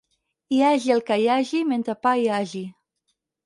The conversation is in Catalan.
Hi hagi el que hi hagi, mentre pa hi hagi.